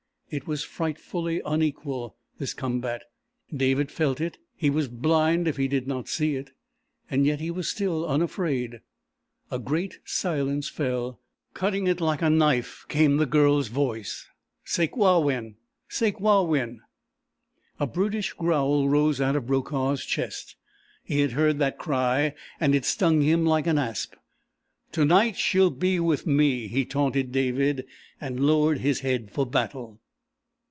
It was frightfully unequal this combat. David felt it, he was blind if he did not see it, and yet he was still unafraid. A great silence fell. Cutting it like a knife came the Girl's voice: "Sakewawin Sakewawin...." A brutish growl rose out of Brokaw's chest. He had heard that cry, and it stung him like an asp. "To night, she will be with me," he taunted David and lowered his head for battle.